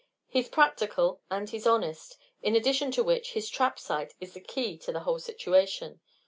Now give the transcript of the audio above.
He's practical and he's honest, in addition to which his trap site is the key to the whole situation.